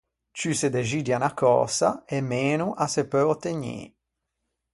Ciù se dexidia unna cösa e meno a se peu ottegnî.